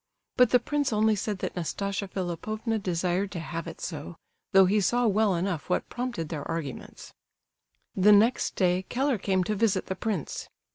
But the prince only said that Nastasia Philipovna desired to have it so, though he saw well enough what prompted their arguments. The next day Keller came to visit the prince.